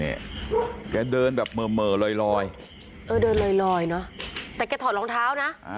เนี้ยเ์ยเดินแบบเมอลอยเออเดินเลยลอยแต่เก่งถอดรองเท้านะ